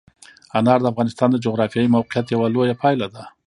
انار د افغانستان د جغرافیایي موقیعت یوه لویه پایله ده.